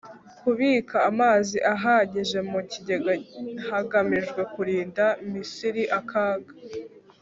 kubika amazi ahagije mu kigega hagamijwe kurinda misiri akaga